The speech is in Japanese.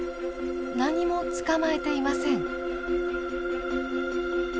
何も捕まえていません。